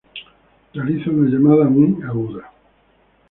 Realiza una llamada muy aguda.